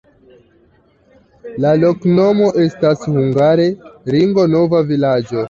La loknomo estas hungare: ringo-nova-vilaĝo.